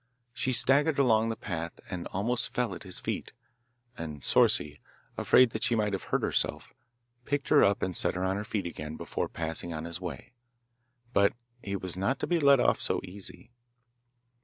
She staggered along the path and almost fell at his feet, and Souci, afraid that she might have hurt herself, picked her up and set her on her feet again before passing on his way. But he was not to be let off so easy.